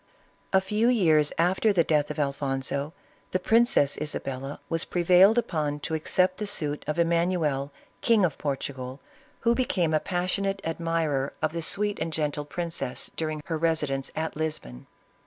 A few years aftt r the death of Alfonso, the Princess Isabella was prevailed upon to accept the suit of Eman ucl, King of Portugal, who became a passionate admi 126 ISABELLA OF CASTILE. rer of the sweet and gentle princess, during her resi dence at Lisbon.